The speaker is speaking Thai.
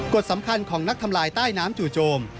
กฎสำคัญของนักทำลายใต้น้ำจู่โจม